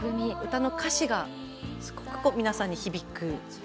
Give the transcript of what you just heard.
歌の歌詞がすごく皆さんに響く。